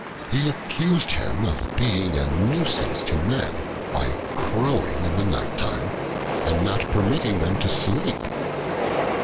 He accused him of being a nuisance to men by crowing in the nighttime and not permitting them to sleep.